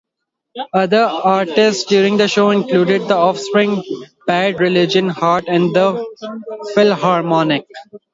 Other artists during the show included The Offspring, Bad Religion, Heart, and The Filharmonic.